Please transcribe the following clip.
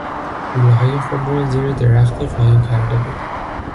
پولهای خود را زیر درختی قایم کرده بود.